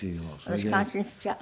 私感心しちゃう。